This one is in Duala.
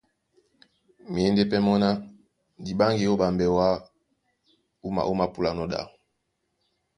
Myěndé pɛ́ mɔ́ ná :Di ɓáŋgi ó ɓambɛ wǎ wúma ómāpúlanɔ́ ɗá.